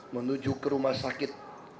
menuju ke rumah sakit